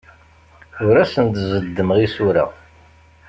Ur asent-d-zeddmeɣ isura.